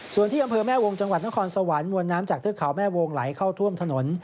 ส่วนที่อำเภอแม่วงจังหวัดนครสวรรค์มวลน้ำจากเทือกเขาแม่วงไหลเข้าท่วมถนน